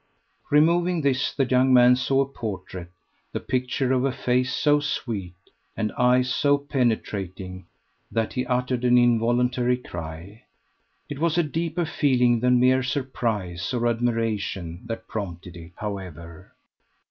Removing this the young man saw a portrait, the picture of a face so sweet, and eyes so penetrating, that he uttered an involuntary cry. It was a deeper feeling than mere surprise or admiration that prompted it, however.